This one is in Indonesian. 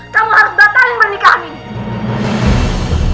kamu harus batalin pernikahan ini